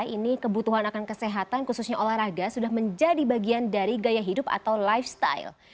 ini kebutuhan akan kesehatan khususnya olahraga sudah menjadi bagian dari gaya hidup atau lifestyle